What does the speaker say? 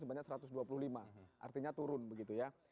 sebanyak satu ratus dua puluh lima artinya turun begitu ya